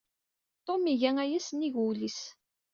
Ṭum yegga aya sennig wul-is.